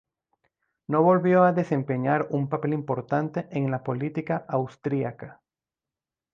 No volvió a desempeñar un papel importante en la política austriaca.